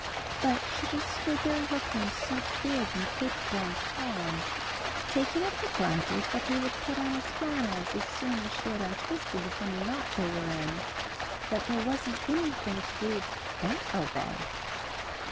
But she just stood there looking so big and capable and calm, taking it for granted that he would put on his flannels as soon as she had untwisted the funny knot they were in, that there wasn't anything to do but obey.